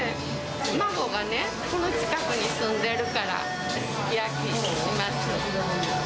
孫がね、この近くに住んでるから、すき焼きします。